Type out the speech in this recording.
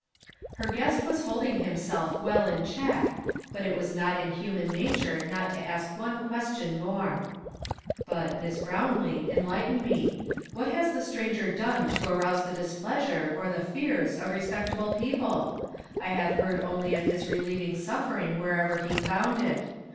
'" Her guest was holding himself well in check, but it was not in human nature not to ask one question more. " Hut, Miss Brownlee, enlighten me. What has the stranger done to arouse the displeasure or the fears of respectable peo[)l(!? I luiv(i heard only of his relieving suffering wherever he found it.